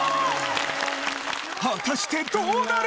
果たしてどうなる！？